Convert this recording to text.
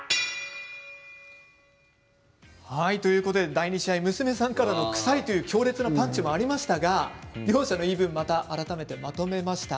第２試合、娘さんからもくさいという強烈なパンチもありましたが両者の言い分を改めて、まとめました。